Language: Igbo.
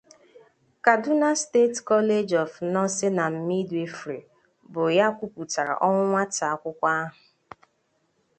'Kaduna State College of Nursing and Midwifery' bụ ya kwupụtara ọnwụ nwata akwụkwọ ahụ